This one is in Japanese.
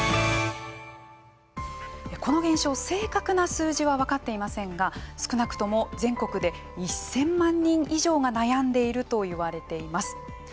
この現象正確な数字は分かっていませんが少なくとも全国で１０００万人以上が悩んでいるといわれています。